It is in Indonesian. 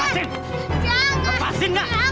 ada yang pesen makanan